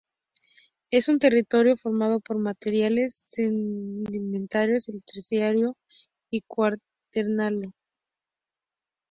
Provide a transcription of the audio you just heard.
Es un territorio formado por materiales sedimentarios del Terciario y Cuaternario.